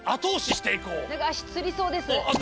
何か足つりそうです。